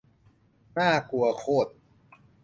น่ากลัวโคตร